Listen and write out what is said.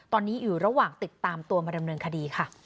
ตอนนี้อยู่ระหว่างติดตามตัวมาดำเนินคดีค่ะ